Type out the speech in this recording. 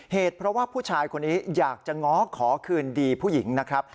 เหตุเพราะว่าผู้ชายคนนี้อยากจะง้อขอคืนดีผู้หญิงนะครับ